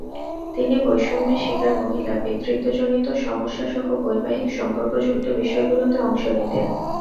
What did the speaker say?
তিনি বৈষম্যের শিকার মহিলা, পিতৃত্বজনিত সমস্যাসহ বৈবাহিক সম্পর্কযুক্ত বিষয়গুলোতে অংশ নিতেন।